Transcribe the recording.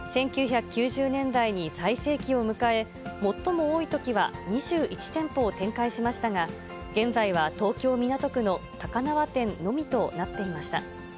１９９０年代に最盛期を迎え、最も多いときは２１店舗を展開しましたが、現在は東京・港区の高輪店のみとなっていました。